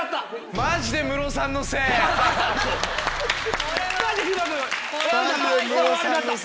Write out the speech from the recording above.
マジでムロさんのせい！